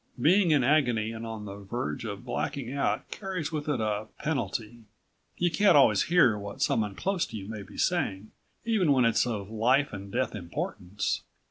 Being in agony and on the verge of blacking out carries with it a penalty. You can't always hear what someone close to you may be saying, even when it's of life and death importance.